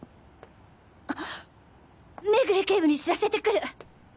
あっ目暮警部に知らせてくる。